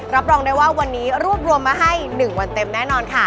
รับรองได้ว่าวันนี้รวบรวมมาให้๑วันเต็มแน่นอนค่ะ